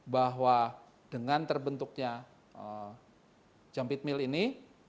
bahwa dengan terbentuknya jampit mil ini